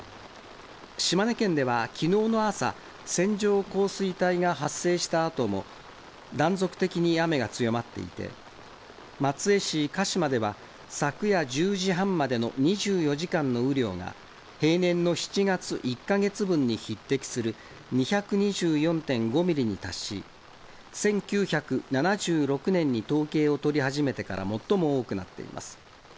島根県では、きのうの朝、線状降水帯が発生したあとも断続的に雨が強まっていて、松江市鹿島では、昨夜１０時半までの２４時間の雨量が、平年の７月１か月分に匹敵する２２４．５ミリに達し、１９７６年に統計を取り始めてから最も多くなっています。